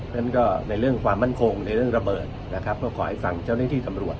ฉะนั้นก็ในเรื่องความมั่นคงในเรื่องระเบิดนะครับก็ขอให้ฟังเจ้าหน้าที่ตำรวจ